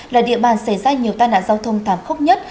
là địa bàn xảy ra nhiều tai nạn giao thông thảm khốc nhất